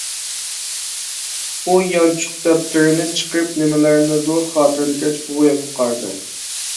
ئۇ يانچۇق دەپتىرىنى چىقىرىپ نېمىلەرنىدۇر خاتىرىلىگەچ بوۋايغا قارىدى.